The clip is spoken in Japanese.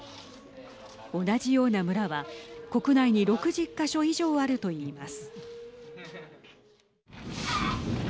同じような村は国内に６０か所以上あると言います。